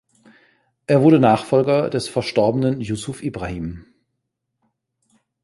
Er wurde Nachfolger des verstorbenen Jussuf Ibrahim.